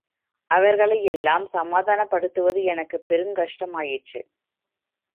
அவர்களையெல்லாம் சமாதானப்படுத்துவது எனக்குப் பெருங்கஷ்டமாயிற்று!